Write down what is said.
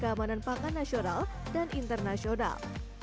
keamanan pangan nasional dan internasional